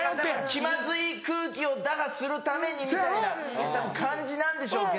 気まずい空気を打破するためにみたいな感じなんでしょうけど。